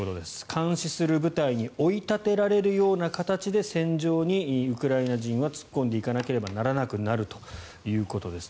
監視する部隊に追い立てられるような形で戦場にウクライナ人は突っ込んでいかなければならなくなるということです。